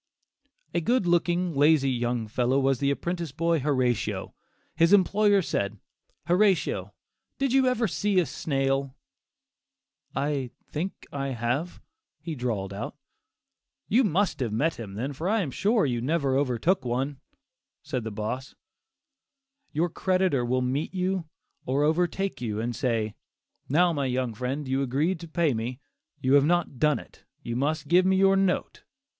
A good looking, lazy young fellow, was the apprentice boy Horatio. His employer said, "Horatio, did you ever see a snail?" "I think I have," he drawled out. "You must have met him then, for I am sure you never overtook one," said the "boss." Your creditor will meet you or overtake you and say, "Now, my young friend, you agreed to pay me; you have not done it, you must give me your note."